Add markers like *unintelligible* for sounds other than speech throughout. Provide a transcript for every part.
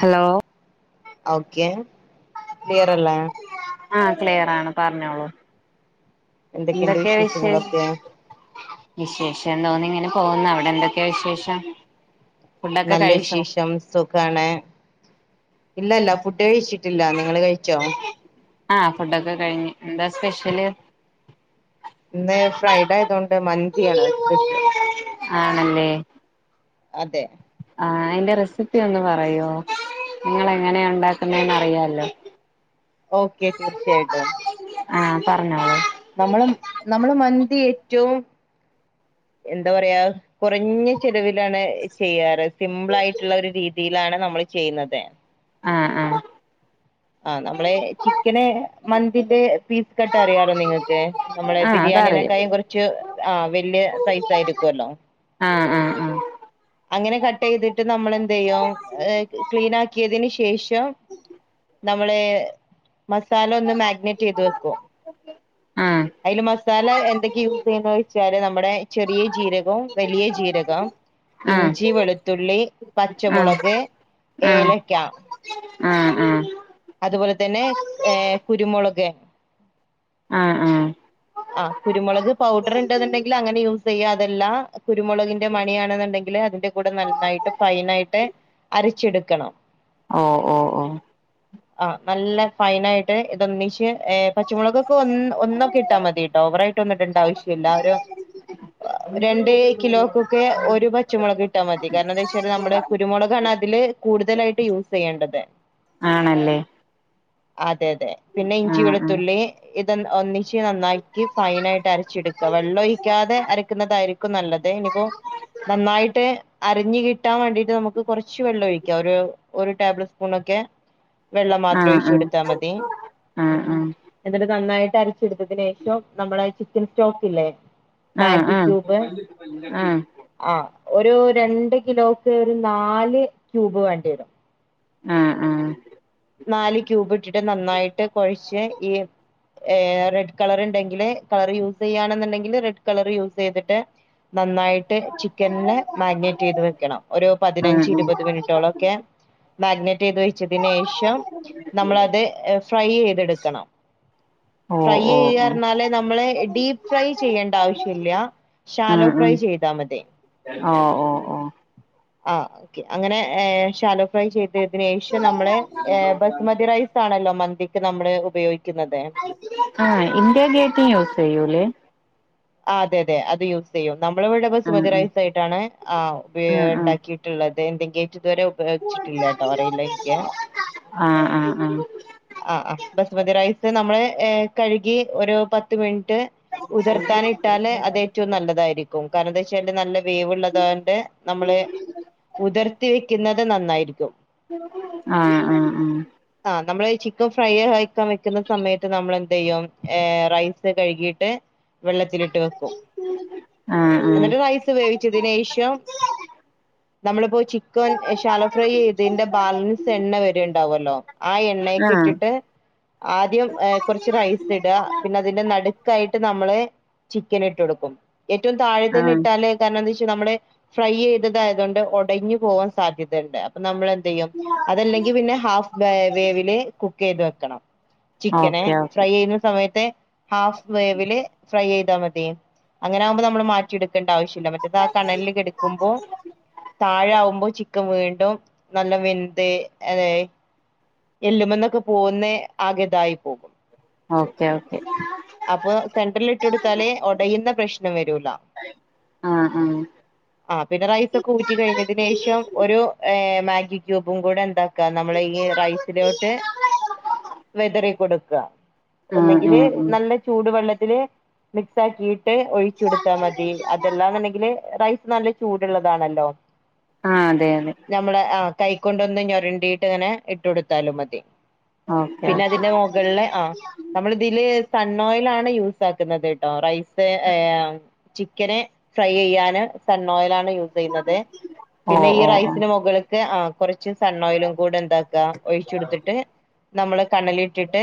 Hello. Okay clear അല്ലേ? ആഹ് ക്ലിയറാണ് പറഞ്ഞോളൂ എന്തൊക്കെയുണ്ട് എന്തൊക്കെ വിശേ വിശേഷങ്ങളൊക്കെ വിശേഷം എന്തോന്ന് ഇങ്ങനെ പോകുന്നു അവിടെ എന്തൊക്കെയാ വിശേഷം? ഫുഡൊക്കെ നല്ല കഴിച്ചോ വിശേഷം. സുഖാണ് ഇല്ല ഇല്ല ഫുഡ് കഴിച്ചിട്ടില്ല നിങ്ങള് കഴിച്ചോ? ആഹ് ഫുഡൊക്കെ കഴിഞ്ഞ് എന്താ സ്പെഷ്യല്? ഇന്ന് ഫ്രൈ ഡേ ആയതുകൊണ്ട് മന്തിയാണ് സ്പെഷ്യൽ. ആണല്ലേ? അതെ. ആഹ് അയിന്റെ റെസിപ്പി ഒന്ന് പറയോ നിങ്ങള് എങ്ങനെയാ ഒണ്ട് ണ്ടാക്കുന്നേന്ന് അറിയാലോ? ഓക്കെ തീർച്ചയായിട്ടും. ആഹ് പറഞ്ഞോളൂ. നമ്മള് നമ്മള് മന്തി ഏറ്റവും എന്താ പറയാ കുറഞ്ഞ ചെലവിലാണ് ചെയ്യാറ് സിംമ്പിൾ ആയിട്ടുള്ള ഒരു രീതിയിലാണ് നമ്മൾ ചെയ്യുന്നത് ആഹ് ആഹ് ആ നമ്മളെ ചിക്കന് മന്തിന്റെ പീസ് കട്ട് അറിയാലോ നിങ്ങൾ നമ്മളെ ആഹ് അതറിയാം ബിരിയാണീനെക്കായം കുറച്ച് ആ വല്യയ സൈസ ആയിരിക്കുവല്ലോ ആഹ് ആഹ് അങ്ങനെ കട്ട് ചെയ്തിട്ട് നമ്മള എന്തെയും ക്ലീന ആക്കിയതിന് ശേഷം നമ്മളെ മസാല ഒന്ന് മാഗ്നെറ്റ് ചെയ്ത് വെക്കും ആഹ് അയില് മസാല എന്തൊക്കെ യൂസ് ചെയ്യുന്ന വെച്ചാല് നമ്മുടെ ചെറിയ ജീരകവും വലിയ ജീരകം ഇഞ്ചി ആഹ് വെളുത്തുള്ളി പച്ചമുളക് ഏലക്ക ആഹ്ആഹ് അതുപോലെ തന്നെ ഏ കുരുമുളക് ആഹ് ആഹ് ആഹ് കുരുമുളക് പൗഡർ ണ്ട്ന്ന്ണ്ടെങ്കിൽ അങ്ങനെ യൂസ് യ്യാ അത ല്ല കുരുമുളകിന്റെ മണിയാണ്ന്ന്ണ്ടെങ്കിൽ അതിന്റെ കൂടെ നന്നായിട്ട് ഫൈനാ യിട്ട് അരച്ചെടുക്കണം ആഹ് അ ഓ ഓ ആഹ് നല്ല ഫൈനായിട്ട് ഇതൊന്നിച്ച് ഏ പച്ചമുളക് ഒക്കെ ഒന്ന് ഒ ട്ടാ മതിട്ടെ ഓവറായിട്ടൊന്ന് ഇടണ്ട ആവശ്യ ല്ല ഒരു രണ്ട് കിലോക്കൊക്കെ ഒരു പച്ചമുളക് ഇട്ടാ മതി കാരണം എന്താ വെച്ചാൽ നമ്മള് കുരുമുളക് ആണ് അതില് കൂടുതലായിട്ട് യൂസെയ്യേണ്ടത് ആണല്ലേ അതെ അതെ പിന്നെ ഇഞ്ചി ആഹ് വെളുത്തുള്ളി ഇത് ഒന്ന് ഒന്നി ച്ച് നന്നാക്കി ഫൈനായിട്ട് അരച്ചെടുക്ക വെള്ളം ഒഴിക്കാതെ അരക്കുന്നതായിരിക്കും നല്ലത് ഇനിപ്പോ നന്നായിട്ട് അരഞ്ഞ് കിട്ടാൻ വേണ്ടിട്ട് നമുക്ക് കുറച്ച് വെള്ളം ഒഴിക്കാം ഒരു ഒരു ടേബിൾ സ്പൂണൊക്കെ ഉ *inaudible* വെള്ളം മാത്രം ഒഴിച്ചു കൊടുത്താ മതി ആഹ് എന്നിട്ട് നന്നായിട്ട് അരച്ചെടുത്തതിന് ശേഷം നമ്മളെ ചിക്കൻ സ്റ്റോക്ക് ഇല്ലേ ആഹ് ആഹ്ആഹ് ആഹ് ഒരു രണ്ട് കിലോക്ക് ഒരു നാല് ക്യൂബ് വേണ്ടി വരും ആഹ്ആഹ് നാല് ക്യൂബ് ഇട്ടിട്ട് നന്നായിട്ട് കുഴച്ച് ഈ ഏ റെഡ് കളർ ണ്ടെങ്കില് കളർ യൂസ് ചെയ്യാണ്ന്നുണ്ടെങ്കിൽ റെഡ് കളർ യൂസെയ്തിട്ട് നന്നായിട്ട് ചിക്കന് ന്നെ മാരിനേറ്റ യ്ത് വെക്കണം ഒരു പതിനഞ്ച് ആഹ് ഇരുപത് മിനിറ്റോളം ഒക്കെ *inaudible* മാരി നേറ്റയ്ത് വെച്ചതിനേ ഷ ഷം നമ്മളത് ഫ്രൈയ് എയ്ത് ട്ക്കണ്ണം ഓ ഫ്രൈയ ഓ യ്യ ഓ പറ്ഞ്ഞാല് നമ്മള് ഡീപ്പ് ഫ്രൈ ചെയ്യേണ്ട ആവശ്യല്ല ശാലോ ഫ്രൈ ചെയ്താ മതി ആഹ്ഓ ഓ ആഹ് ഓക്കെ അങ്ങനെ ശാലോ ഫ്രൈ ചെയ്തതിന് ശേഷം നമ്മളെ ഏ ബസുമതി റൈസ് സാണല്ലോ മന്തിക്ക് നമ്മള് ഉപയോഗിക്കുന്നത് ആഹ് ഇന്ത്യാ ഗേറ്റും യൂസ് ചെയ്യൂല്ലേ ആഹ് അതെ അതെ അത് യൂ സെയ്യും നമ്മള ഇവിടെ ആഹ് ബസ്മതി ആഹ് റൈസ് യിട്ടാണ് ആഹ് ഉപ ആഹ് ണ്ടാക്കി ട്ട്ള്ളത് ഇൻഡിക്കേറ്റ് ഇതുവരെ ഉപയോഗിച്ചിട്ടില്ല ട്ടോ അറിയില്ല ഇന്ക്ക് ആഹ് ആഹ് ആഹ് ആഹ് ആഹ് ആഹ് ആഹ് ബസുമതി റൈസ് നമ്മള് കഴുകി ഒരു പത്ത് മിനിറ്റ് കുതിർ ത്താനിട്ടാല് അത് ഏറ്റവും നല്ലതായിരിക്കും കാരണം ന്താ വെച്ചാല് നല്ല വേവ്ള്ളതായോണ്ട് നമ്മള് കുതിർത്തി വെക്കുന്നത് നന്നായിരിക്കും ആഹ് ആഹ് ആഹ് ആഹ് നമ്മള് ചിക്കൻ ഫ്രൈ അയ്ക്കാൻ വെക്കുന്ന സമയത്ത് നമ്മളെന്തയ്യും ഏ റൈസ് കഴുകിട്ട് വെള്ളത്തിലിട്ട് വെക്കും എന്നിട്ട് റൈസ് വേവിച്ചതിനേഷം *inaudible* നമ്മളിപ്പോ ചിക്കൻ ഷാലോ ഫ്രൈ ചെയ്തേൻ്റെ ബാലൻസ് എണ്ണ വരണ്ടാവല്ലോ ആഹ് എണ്ണെക്കിട്ടിട്ട് ആദ്യം എ് കൊറച്ച് റൈസ് ഇട പിന്നെ അതിന്റെ നടുക്കായിട്ട് നമ്മള് ചിക്കന് ഇട്ട് കൊടുക്കും ഏറ്റവും താഴെ തന്നെ ആഹ് ഇട്ടാല് കാരണം എന്താച്ച നമ്മള് ഫ്രൈയീയതത് ആയതോണ്ട് ഒടഞ്ഞു പോവാൻ സാധ്യതണ്ട് നമ്മൾ എന്തീയ്യും അതല്ലെങ്കി പിന്നെ ഹാഫ് വേ വേവില് കുക്ക് എയ്ത് വെക്കണം ചിക്കനെ ഓക്കെ ഓക്കെ ഫ്രൈ ചെയ്യണ സമയത്ത് ഹാഫ് വേവില് ഫ്രൈയ്യീത മതി അങ്ങനാവുമ്പോ നമ്മള് മ ച്ച്ട്ക്കണ്ട ആവശ്യല്ല മറ്റേത് ആഹ് കണലില് കെടക്കുമ്പോ താഴെ ആവുമ്പോ ചിക്കൻ വീണ്ടും നല്ല വെന്ത് അതായി എല്ലുമെന്നൊക്കെ പോന്ന് ആകെതായി പോകും ഓക്കെ ഓക്കെ ഇട്ടുടൊത്താല് ഒടയുന്ന പ്രശ്നം വരൂല ആഹ് ആഹ് പിന്നെ റൈസ് ഒക്കെ ഊറ്റി കഴിഞ്ഞതിന് ഏഷം ഒരു എഹ് മാഗി ക്യൂബും കൂടെ എന്താ ക്കാ നമ്മള് ഈ റൈസിലോട്ട് വെതറി കൊടുക്ക ആഹ് ഒന്നെങ്കില് നല്ല ചൂടുവെള്ളത്തില് മിക്സ് ആക്കീട്ട് ഒഴിച്ചു കൊടുത്താ മതി അതെല്ലാന്നുണ്ടെങ്കില് റൈസ് നല്ല ചൂടുള്ളതാണല്ലോ ആഹ് അതെ അതെ ഞമ്മളെ ആഹ് കൈക്കൊണ്ടൊന്ന് ഞൊരണ്ടീട്ട് ഇങ്ങനെ ഇട്ടൊടുത്താലും മതി ഓക്കെ പിന്നെ ഓക്കെ അതിന്റെ മൊകളിലെ ആഹ് നമ്മള് ഇതില് സൺ ഓയിൽ ആണ് യൂസാ ക്ക്നത്ട്ടോ റൈസ് എ് ചിക്കന് ഫ്രൈയ്യിയ്യാനും സൺ ഓയിലാ ണ് യൂസിയ്യുന്നത് ഓ പിന്നെ ഈ ഓ റൈസിന് ഓ മൊളിക ക്ക് ആഹ് കൊറച്ച് സൺ ഓയിലും കൂടെ എന്താക്ക ഒഴിച്ചൊടുത്തിട്ട് നമ്മള് കണലിട്ടിട്ട്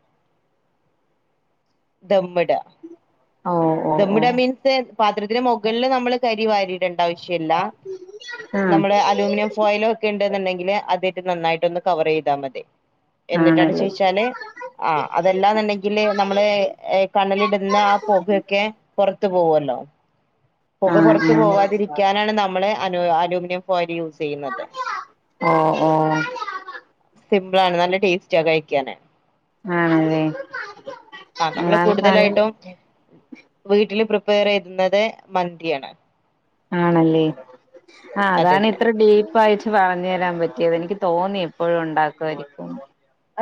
*inaudible* ദമ്മ് ഇട ആഹ് ദമ്മ്ടാ മീൻസ് പാത്രത്തിൻ്റെ മൊകളില് നമ്മള് കരി വാരി ഇടണ്ട ആവശ്യല്ല ആഹ് നമ്മള് അലൂമിനിയം ഫോയില് ഒക്കെ ഇണ്ടെന്നുണ്ടെങ്കില് അതിട്ട് നന്നായിട്ടൊന്ന് കവറിയ്താ മതി എന്നിട്ടടച്ച് ആണല്ലേ വെച്ചാല് ആഹ് അതെല്ലാന്നുണ്ടെങ്കില് നമ്മള് എത് കണ്ണലിടു പിന്നെ ആഹ് പൊക്യൊക്കെ പൊറത്തു പോവല്ലോ പൊക പുറത്ത് ആഹ് ആഹ് പോവാതിരിക്കാനാണ് നമ്മള് അലു അലൂമിനിയം ഫോയൽ യൂസ് ചെയ്യുന്നത് ഓ ഓ സിമ്പളാണ് നല്ല ടേസ്റ്റാ കഴിക്കാന് ആണല്ലേ ആഹ് നമ്മള് എന്നാൽ നൽ കൂടുതലായിട്ടും വീട്ടില് പ്രിപ്പയർ എയ്തുന്നത് മന്തിയാണ് ആണല്ലേ ആഹ് അതെ അതാണ് അതെ ഇത്ര ഡീപ്പ് ആയി പറഞ്ഞു തരാൻ പറ്റിയത് എനിക്ക് തോന്നി എപ്പോഴും ഉണ്ടാക്കുവായിരിക്കുന്ന്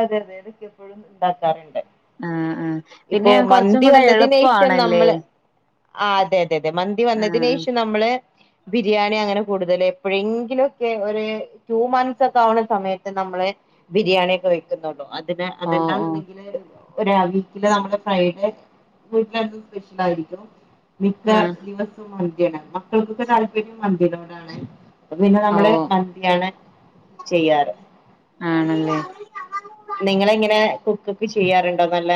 അതെ അതെ ഇതിക്കെപ്പുഴും ഇണ്ടാക്കാറുണ്ട് ആഹ് ആഹ് പിന്നെ ഇപ്പൊ കൊറച്ചും മന്തി കൂടെ വന്നതിനേഷം എളുപ്പാണല്ലേ നമ്മള് ആഹ് അതെ അതെ അതെ മന്തി ആഹ് വന്നതിനേഷം നമ്മള് ബിരിയാണി അങ്ങനെ കൂടുതല് എപ്പോഴെങ്കിലൊക്കെ ഒര് ടു മന്ത്സ് ഒക്കെ ആവുന്ന സമയത്ത് നമ്മള് ബിരിയാണി ഒക്കെ വെക്കുന്നുള്ളു അതിന് ഓഹ് ഓഹ് അതെല്ലാണ്ടെങ്കില് ഒര് ആഹ് വീക്കില് നമ്മള് ഫ്രൈഡേ വീട്ടിലനന്തും സ്പെഷ്യൽ ആയിരിക്കും മിക്ക ആഹ് ദിവസം മന്ത്യാണ് മക്കൾക്കൊക്കെ താല്പര്യം മന്തിനോടാണ് അപ്പപിന്നെ നമ്മള് ഓഹ് മന്തിയാണ് ചെയ്യാറ് ആണല്ലേ നിങ്ങളെങ്ങനെ കുക്ക് ഒക്കെ ചെയ്യാറുണ്ടോ നല്ല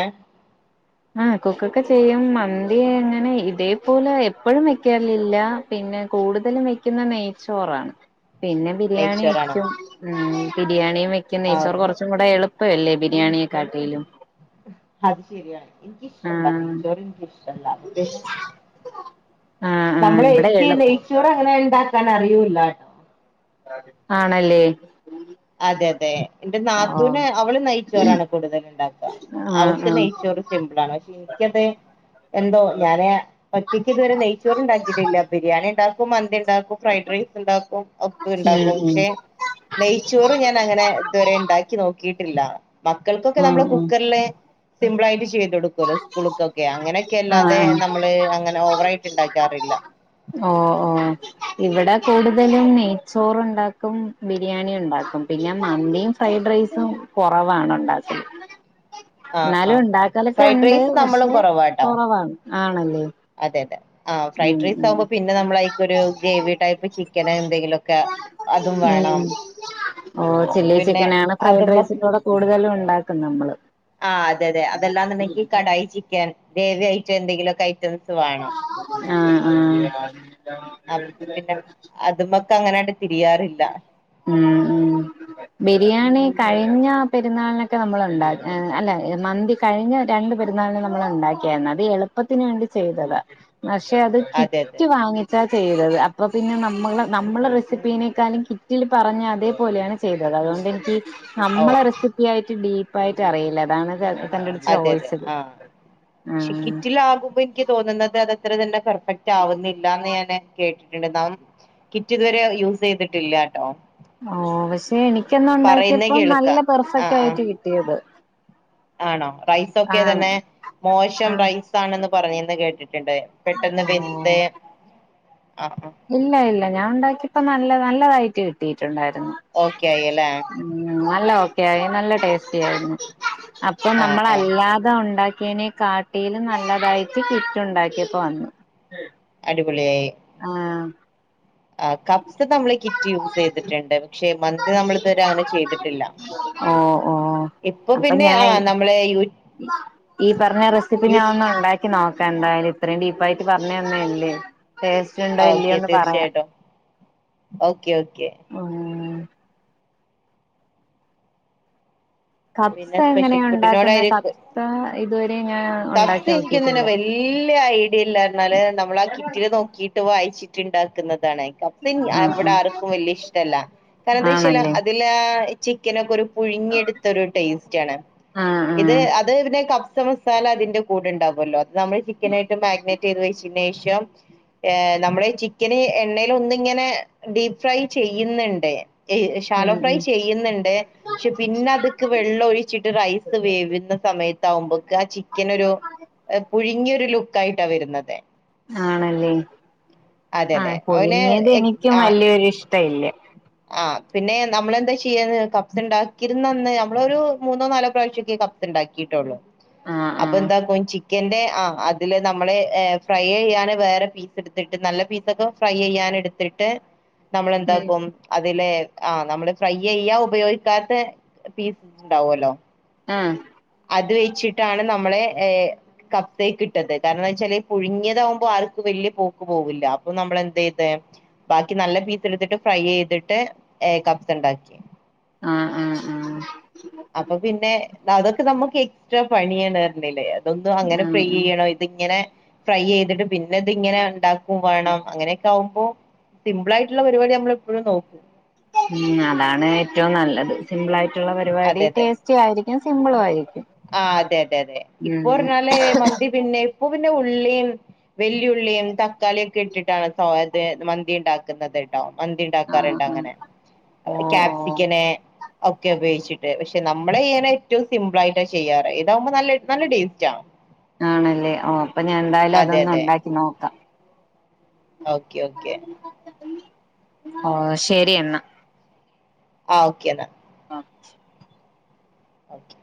ആ കുക്കൊക്കെ ചെയ്യും മന്തി അങ്ങനെ ഇതേപോലെ എപ്പഴും വെക്കലില്ല. പിന്നെ കൂടുതലും വെക്കുന്ന നെയ്ച്ചോറാണ്. പിന്നെ ബിരിയാണി നെയ്ച്ചോറാണോ വെക്കും ഉം. ബിരിയാണിയും വെക്കും ആ നെയ്ച്ചോർ കൊറച്ച കൂടെ എളുപ്പമല്ലേ ബിരിയാണിയെക്കാട്ടിലും. അത് ശരിയ എനിക്ക് ഇഷ്ടല്ല ആഹ് നെയച്ചോർ നിക്ക് ഇഷ്ടമല്ല അപ്പ പിന്നെ ആഹ നമ്മള് എനിക്ക് നെയ്ച്ചോർ ങ്ങനെ ണ്ടാക്കാൻ അറിയൂല്ലട്ടോ ആണല്ലേ? അതെ അതെ എന്റെ നാത്തുന് ഓഹ് അവള് നെയ്ച്ചോറാണ് കൂടുതൽ ഉണ്ടാക്കുക. ആഹ് അവക്ക് നെയച്ചോറ് ആഹ് സിമ്പളാണ് ശിൻക്കത് എന്തോ ഞാന് ഒറ്റയ്ക്ക് ഇതുവരെ നെയ്ച്ചോറ്ണ്ടാക്കിയിട്ടില്ല. ബിരിയാണിണ്ടാക്കും മന്തിണ്ടാക്കും. ഫ്രൈഡ് റൈസ് ഉണ്ടാക്കും ഒക്കെ ഉണ്ടാക്കും ക്ഷെ നെയ് ചോർ ഞാൻ ങ്ങനെ ഇതുവരെണ്ടാക്കി നോക്കിയിട്ടില്ല. മക്കൾക്കൊക്കെ ഉം നമ്മൾ ഉം ഉം കുക്കർല് സിമ്പിളായിട്ട് ചെയ്തുടുക്കല്ലോ? സ്കുളുക്കൊക്കെ അങ്ങനെയൊക്കെ അല്ലാതെ ആഹ് നമ്മള് അങ്ങനെ ഓവറയിട്ട് ണ്ടാക്കാറില്ല. ഓ ഓ ഇവിടെ കൂടുതലും നെയ്ച്ചോറുണ്ടാക്കും ബിരിയാണിയും ഉണ്ടാക്കും പിന്നെ മന്തി ഫ്രൈഡ് റൈസും കുറവാണ് ഉണ്ടാക്കല് ആഹ് ന്നാലും ആഹ് ണ്ടാക്കല് ഫ്രൈഡ് ക്കെണ്ട് റൈസ് നമ്മളും പക്ഷെ കുറവാട്ടോ കുറവാണ്. ആണല്ലേ അതെ അതെ ആ് ഉം ഫ്രൈഡ് റൈസ് ഉം ആകുമ്പോ ഉം പിന്നെ നമ്മളയ്ക്കൊരു ഗ്രേവി ടൈപ്പ് ചിക്കൻ എന്തെങ്കിലെക്കെ അതും വേണം ഓ അപ്പൊ പിന്നെ അതുമ കൂടുതലു ഉണ്ടാക്കും നമ്മള്. ആ അതെ അതെ അതെല്ലാം ണ്ടെങ്കിൽ കടായി ചിക്കൻ ഗ്രേവി ആയിട്ട് എന്തെങ്കിലെക്കെ ഐറ്റംസ് വേണം. ആഹ ആഹ ക്ക് അങ്ങനട് തിരിയാറില്ല. ഉം ബിരിയാണി കഴിഞ്ഞ പെരുന്നാളിനൊക്കെ നമ്മൾണ്ട അല്ല മന്തി കഴിഞ്ഞ രണ്ട് പെരുന്നാളിന് നമ്മൾ ഉണ്ടാക്കിയായിരുന്നു. അത് എളുപ്പത്തിന് വേണ്ടി ചെയ്തത പക്ഷെ അത് അതെ അതെ കിറ്റ് വാങ്ങിട്ടാ ചെയ്തത് അപ്പൊ പിന്നെ നമ്മള് നമ്മള റെസിപ്പീനെ ക്കാലും കിറ്റിൽ പറഞ്ഞ അതേപോലെയാണ് ചെയ്തത്. അതുകൊണ്ട് എനിക്കി ഓ നമ്മളെ റെസിപ്പി യായിട്ട് ഡീപ്പായിട്ട് അറിയില്ല അതാണ്ത് അതെ അതെ ആഹ ക്ഷെ ആഹ് കിറ്റിലാ കുമ്പോ എനിക്ക് തോന്നുന്നത് അതത്ര തന്നെ പെർഫെക്റ്റ് ആവുന്നില്ലാന്ന് ഞാന് കേട്ടിട്ടുണ്ട് ന കിറ്റ് ഇതുവരെ യൂസ് ചെയ്തിട്ടില്ലാട്ടോ ഓ പക്ഷെ എനിക്കന്നണ്ടാക്കിയപ്പോ നല്ല കേൾക്കാം ആഹ് ആഹ് പെർഫെക്റ്റയിട്ട് കിട്ടിയത്. ആണോ? ആണ് റൈസൊക്കെതന്നെ മോശം ആഹ് റൈസാണെന്ന് പറഞ് കേട്ടിട്ടുണ്ട് പെട്ടെന്ന് വെന്ത് ഓ ആഹ് ഇല്ല ഇല്ല ഞാൻണ്ടാക്കിപ്പ നല്ല നല്ലതായിട്ട് കിട്ടിയിട്ടുണ്ടായിരുന്നു. ഓക്കെ ആയല്ലേ? ഉം നല്ല ഓക്കെ ആയി. നല്ല ടേസ്റ്റി ആയിരുന്നു. പ്പൊ ആഹ് ആഹ് നമ്മളല്ലാതെ ഉണ്ടാക്കിയേനെ കാട്ടിലും നല്ലതായിട്ട് കിറ്റുണ്ടാക്കിയപ്പോ വന്നു. അടിപൊളിയായി. ആഹ് ആ കപ്സ് നമ്മൾ കിറ്റ് യൂസ് ചെയ്തിട്ടുണ്ട് പക്ഷെ മന്തി നമ്മള് ഇതുവരെങ്ങനെ ചെയ്തിട്ടില്ല. ഓ ഓ ഇപ്പെ അപ്പൊ പിന്നെ ഞാൻ ആ നമ്മളെ യു ഈ പറഞ്ഞ റെസിപ്പി യു ഞാ ഒന്ന ഉണ്ടാക്കി നോക്കാന്തായാലും, ഇത്രയും ഡീപ്പയിട്ട് പറഞ്ഞ ന്നല്ലേ. ആ ഓക്കെ തീർച്ചയായിട്ടും, ഓക്കെ ഓക്കെ. ഒർങ്ങേനെ കപ്സ പിന്നെ സ്പെഷ്യൽ എങ്ങനെയാ ഉണ്ടാക്കുന്നെ ഫുഡിനോടയി *unintelligible* കപ്സ ഇതുവരെ ഞാൻ ഉണ്ടാക്കി കബ്സ് ഇൻക്ക്യുംതന്നെ നോക്കിയിട്ടില്ല വല്ല്യ ക്കില്ലാര്ന്നാല് നമ്മളാ കിറ്റില് നോക്കിട്ട് വായിച്ചിട്ടുണ്ടാക്കുന്നതാണ്. പ്പഫിൻ അ ആഹ് വ്ടെ ആർക്കും വല്യ ഇഷ്ടമല്ല. കാരണം ആഹ് എന്താച്ചാല് ആണല്ലേ അതിലേ ഇ ചിക്കനൊക്കെരു പുഴ്ങ്ങിയെട് ത്തൊരു ടേയ്സ്റ്റാണ്. ആഹ് ഇത് ആഹ് അത് പിന്നെ കബ്സമസാല അതിന്റെ കൂടെണ്ടാവൊല്ലോ അത് നമ *unintelligible* ചിക്കനായിട്ട് മാഗിനേറ്റ് ചെയ്ത് വെച്ചിനേഷം ഏഹ് നമ്മളീ ചിക്കന് എണ്ണേലൊനിങ്ങനെ ഡീപ്പ് ഫ്രൈ ചെയ്യ്ന്ന്ണ്ട് ഇഹ് ഉം ശാലോഫ്രൈ ഉം ചെയ്യ്ന്ന്ണ്ട്, പക്ഷെ പിന്നത്. ക്ക് വെള്ളം ഒഴിച്ചിട്ട് റൈസ് വേവുന്ന സമയത്ത് ആകുമ്പോക്ക് ആ ചിക്കനൊരു അഹ് പുഴുങ്ങിയൊരു ലുക്കായിട്ടാ വരുന്നത്. ആണല്ലേ, അതെ അതെ ആഹ് അവന് പുഴുങ്ങിയത് എനിക്കും ആഹ് വല്യൊരു ഇഷ്ടവില്ല്യ ആഹ് പിന്നെ നമ്മളെന്താ ചെയ്യന്ന് കപ്പ്‌സ്ണ്ടാക്കിരുന്നന്ന്, നമ്മളൊരു മൂന്നോ നാലോ പ്രാവശ്യൊക്കെ കബ് സണ്ടാക്കിട്ടൊള്ളു. ആഹ് അപ്പൊ ആഹ് എന്തക്കു ചി ക്കൻ്റെ ആഹ് അതില് നമ്മള്ഏഹ് ഫ്രൈയ്യെയ്യാന് വേറെ പീസ് ഇട്ത്തിട്ട് നല്ല പീസൊക്കെ ഫ്രൈയെയ്യാന് ഇട്ത്ത് ട്ട് നമ്മളെന്താ ഉം ക്കും അതിലേ ആഹ് നമ്മള് ഫ്രൈയ്യെയ്യാ ഉപയോഗിക്കാത്തെ പീസ് ണ്ടാവോലോ ആഹ് അത് വെയ്ച്ചിട്ടാണ് നമ്മളെ ഏഹ് കബ്സേക്കിട്ടത്, കാരണന്നാച്ചാല് പുഴുങ്ങിയതാവുമ്പോ ആർക്ക് വല്യ പോക്ക് പോകില്ല, അപ്പൊ നമ്മൾ എന്തെയ്‌ത് ബാക്കി നല്ല പീസ് എടുത്തിട്ട് ഫ്രൈയെയ്തിട്ട് ഏഹ് കപ്സണ്ടാക്കി. ആഹ് ആഹ് ആഹ് അപ്പൊ പിന്നെ, അതൊക്കെ നമ്മുക്ക് എക്സ്ട്രാ പണിയാണ് അർഞ്ഞ്ലേ ദൊന്തോ അങ്ങനെ ആഹ് ഫ്രൈയെയ്യണം ഇതിങ്ങനെ ഫ്രൈയെയ്തിട്ട് പിന്നെ ഇതിങ്ങനെണ്ട ക്കും വേണം, അങ്ങനെയൊക്കെ ആവുമ്പോ സിമ്പിൾ ആയിട്ടുള്ള പരിവാടി നമ്മൾ എപ്പോഴും നോക്കും. ഉം, അതാണ് ഏറ്റവും നല്ലത്. സിംമ്പിളായിട്ടുള്ള പരിപാടി ടേസ്റ്റു ആയിരിക്കും സിമ്പിളും ആയിരിക്കും. ആഹ് അതെ അതെ അതെ. ഇപ്പൊ ഉം അറഞ്ഞാല് മന്തി പിന്നെ ഇപ്പൊ പിന്നെ ഉള്ളീം വെല്ല്യെള്ളിയും തക്കാളിക്കെ ഇട്ടിട്ടാണ് സോത് മന്തിണ്ടാക്കുന്നത്. ട്ടൊ മന്തി ആഹ് ആഹ് ഇണ്ടാക്കാറ്ണ്ടങ്ങനെ. ഓഹ് ഓഹ് കാപ്സിക്കന് ഓക്കെ ഉപയോഗിച്ചിട്ട്, പക്ഷെ നമ്മളെയ്യാന് ഏറ്റവും സിമ്പിൾ ആയിട്ടാ ചെയ്യാറ്. ഇതാവുമ്പോ നല്ല നല്ല ടേസ്റ്റാ ആണല്ലേ ഓ അപ്പൊ ഞാൻ എന്തായാലും അതെ അതൊന്നു അതെ ഉണ്ടാക്കി നോക്കാം. ഓക്കെ ഓക്കെ ഓ, ശരി എന്നാ ആഹ് ഓക്കെ എന്നാ. O *unintelligible* okay